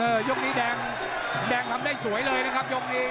ยกนี้แดงแดงทำได้สวยเลยนะครับยกนี้